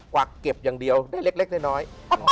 วักเก็บอย่างเดียวได้เล็กน้อย